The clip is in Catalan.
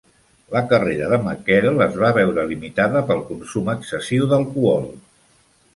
La carrera de Mackerell es va veure limitada pel consum excessiu d'alcohol.